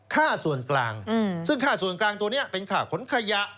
ค่าส่วนกลางซึ่งค่าส่วนกลางตัวนี้เป็นค่าขนขยะ